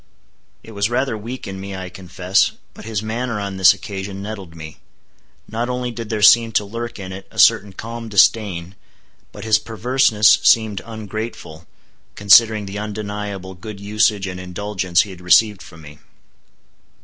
It was rather weak in me I confess, but his manner on this occasion nettled me. Not only did there seem to lurk in it a certain calm disdain, but his perverseness seemed ungrateful, considering the undeniable good usage and indulgence he had received from me.